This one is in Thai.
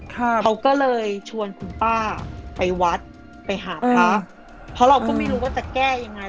เขาก็เลยชวนคุณป้าไปวัดไปหาพระเพราะเราก็ไม่รู้ว่าจะแก้ยังไง